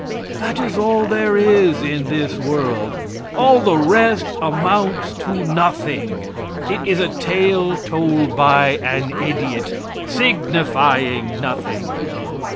That is all there is in this world all the rest amounts to nothing it is a tale told by an idiot signifying nothing.